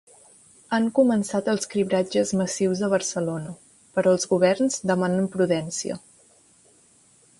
Han començat els cribratges massius a Barcelona, però els governs demanen prudència.